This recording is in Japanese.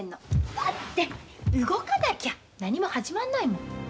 だって動かなきゃ何も始まんないもん。